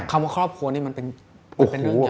ว่าครอบครัวนี่มันเป็นเรื่องใหญ่